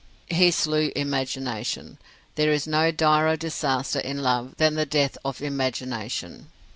He slew imagination. There is no direr disaster in love than the death of imagination.